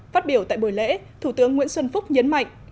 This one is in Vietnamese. phát biểu tại buổi lễ thủ tướng nguyễn xuân phúc nhấn mạnh